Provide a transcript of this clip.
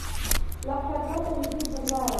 لښکرګاه ته نږدې پر لاره.